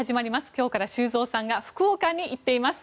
今日から修造さんが福岡に行っています。